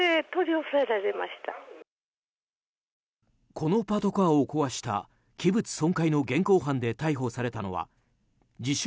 このパトカーを壊した器物損壊の現行犯で逮捕されたのは自称